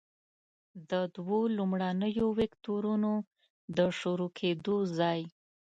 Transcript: د دوو لومړنیو وکتورونو د شروع کیدو ځای.